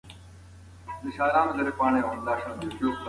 د اصفهان په دربار کې ډېرې دسیسې روانې وې.